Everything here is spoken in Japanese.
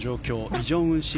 イ・ジョンウン６